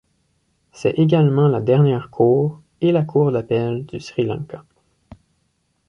C'est également la dernière cour et la cour d'appel du Sri Lanka.